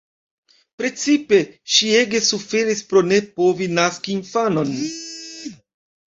Precipe ŝi ege suferis pro ne povi naski infanon.